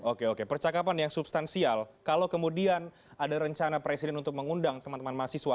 oke oke percakapan yang substansial kalau kemudian ada rencana presiden untuk mengundang teman teman mahasiswa